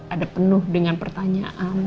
ada penuh dengan pertanyaan